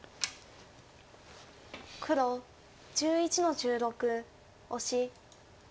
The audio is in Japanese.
黒１１の十六オシ。